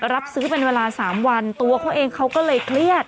รับซื้อเป็นเวลา๓วันตัวเขาเองเขาก็เลยเครียด